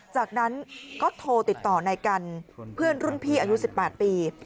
จากนั้นก็โทรติดต่อนายกันเพื่อนรุ่นพี่อายุ๑๘ปี